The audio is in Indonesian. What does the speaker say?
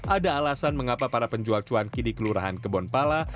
ada alasan mengapa para penjual cuanki di kelurahan kebonpala